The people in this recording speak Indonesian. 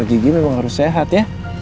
gigi memang harus sehat ya